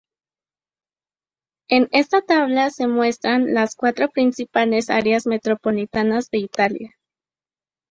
En esta tabla se muestran las cuatro principales áreas metropolitanas de Italia.